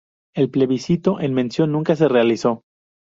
El plebiscito en mención, nunca se realizó.